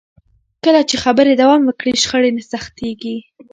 کله چې خبرې دوام وکړي، شخړې نه سختېږي.